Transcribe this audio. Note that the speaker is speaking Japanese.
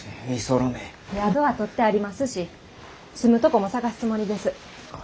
宿は取ってありますし住むとこも探すつもりです。